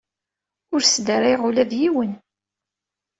Ur sdarayeɣ ula d yiwen.